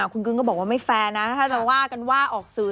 คุณกึ้งก็บอกว่าไม่แฟร์นะถ้าจะว่ากันว่าออกสื่อ